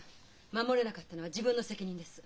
守れなかったのは自分の責任です。